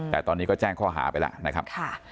แต่ตอนนี้ก็แจ้งข้อหาไปแล้ว